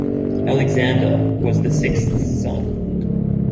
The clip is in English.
Alexander was the sixth son.